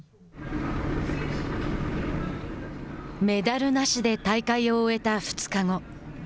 メダルなしで大会を終えた２日後。